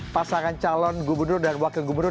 pasangan calon gubernur dan wakil gubernur